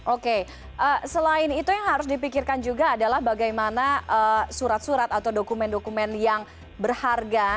oke selain itu yang harus dipikirkan juga adalah bagaimana surat surat atau dokumen dokumen yang berharga